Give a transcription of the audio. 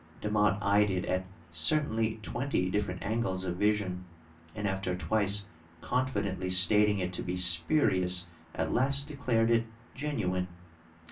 Demotte eyed it at certainly twenty different angles of vision, and after twice confidently stating it to be spurious at last de clared it genuine.